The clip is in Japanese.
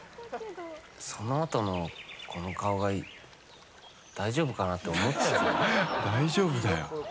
そのあとのこの顔が大丈夫かなって思っちゃう。